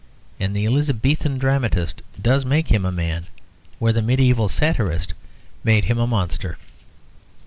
And the Elizabethan dramatist does make him a man, where the medieval satirist made him a monster.